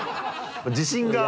自信がある。